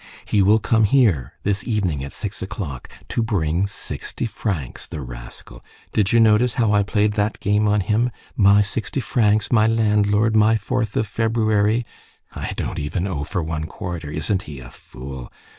He will come here this evening at six o'clock. To bring sixty francs, the rascal! Did you notice how I played that game on him, my sixty francs, my landlord, my fourth of February? I don't even owe for one quarter! Isn't he a fool!